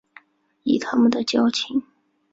以他们的交情